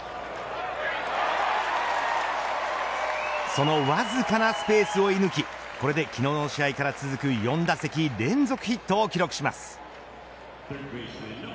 そのわずかなスペースを射抜きこれで昨日の試合から続く４打席連続ヒットを記録します。